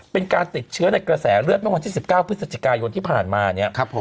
เป็นการติดเชื้อในกระแสเลือดเมื่อวันที่๑๙พฤศจิกายนที่ผ่านมาเนี่ย